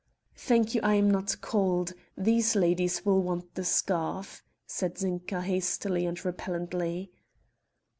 "Thank you, I am not cold; these ladies will want the scarf," said Zinka hastily and repellently.